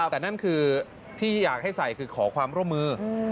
แต่นั่นคือที่อยากให้ใส่คือขอความร่วมมือ